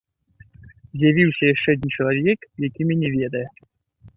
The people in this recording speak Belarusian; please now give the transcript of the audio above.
З'явіўся яшчэ адзін чалавек, які мяне ведае.